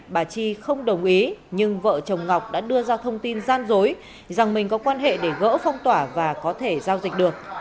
bà chi không đồng ý nhưng vợ chồng ngọc đã đưa ra thông tin gian dối rằng mình có quan hệ để gỡ phong tỏa và có thể giao dịch được